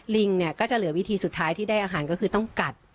ลิงเนี่ยก็จะเหลือวิธีสุดท้ายที่ได้อาหารก็คือต้องกัด